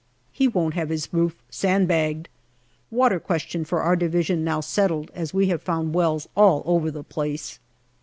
He won't have his roof sand bagged. Water question for our Division now settled, as we have found wells all over the place.